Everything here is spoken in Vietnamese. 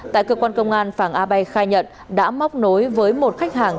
tại cơ quan công an phàng a bay khai nhận đã móc nối với một khách hàng